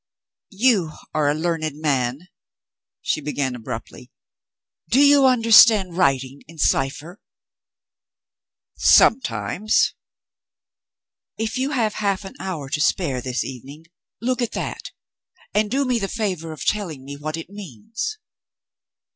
"You are a learned man," she began abruptly. "Do you understand writing in cipher?" "Sometimes." "If you have half an hour to spare this evening, look at that and do me the favor of telling me what it means."